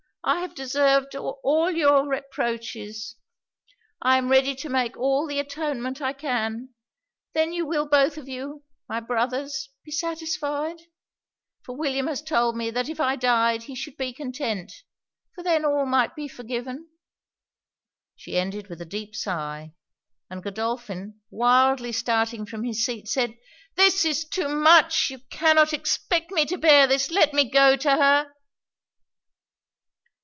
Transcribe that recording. I have deserved all your reproaches! I am ready to make all the atonement I can! Then you will both of you, my brothers, be satisfied for William has told me that if I died he should be content, for then all might be forgotten.' She ended with a deep sigh; and Godolphin, wildly starting from his seat, said 'This is too much! you cannot expect me to bear this! let me go to her!'